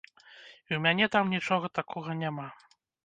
І ў мяне там нічога такога няма.